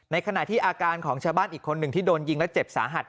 ขณะที่อาการของชาวบ้านอีกคนหนึ่งที่โดนยิงและเจ็บสาหัส